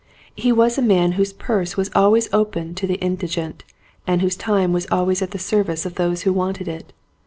He was a man whose purse was always open to the indigent and whose time was always at the service of those who wanted it.